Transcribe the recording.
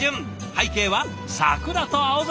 背景は桜と青空。